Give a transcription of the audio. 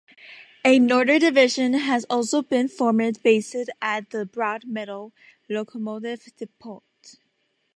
A Northern Division has also been formed based at the Broadmeadow Locomotive Depot.